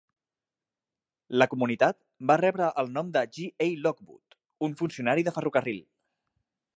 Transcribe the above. La comunitat va rebre el nom de J. E. Lockwood, un funcionari de ferrocarril.